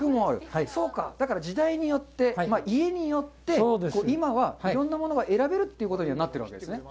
そうか、だから時代によって家によって今はいろんなものが選べるということにはなっているわけですね。